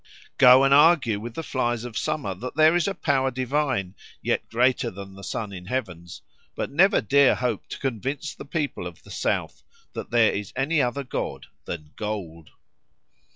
Go and argue with the flies of summer that there is a power divine, yet greater than the sun in the heavens, but never dare hope to convince the people of the south that there is any other God than Gold.